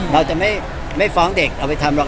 เราจะไม่ฟ้องเด็กเอาไปทำหรอก